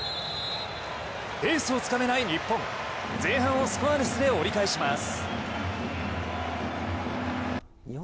ペースをつかめない日本、前半をスコアレスで折り返します。